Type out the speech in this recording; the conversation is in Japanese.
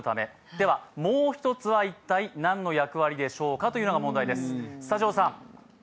ではもう１つは一体何の役割でしょうかというのが問題です。